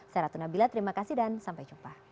saya ratu nabila terima kasih dan sampai jumpa